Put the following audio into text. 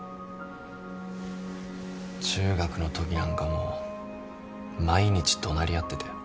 中学のときなんかもう毎日怒鳴り合ってたよ。